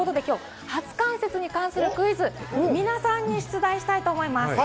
ということで初冠雪に関するクイズ、皆さんに出題したいと思います。